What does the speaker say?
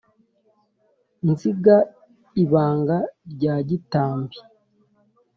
nzinga ibanga rya gitambi